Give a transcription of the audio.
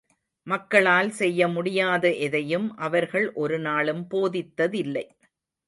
மக்களால் செய்ய முடியாத எதையும், அவர்கள் ஒரு நாளும் போதித்ததில்லை.